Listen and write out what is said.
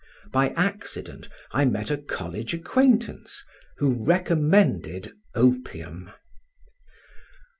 By accident I met a college acquaintance, who recommended opium.